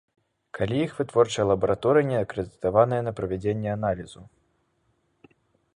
Калі іх вытворчая лабараторыя не акрэдытаваная на правядзенне аналізу.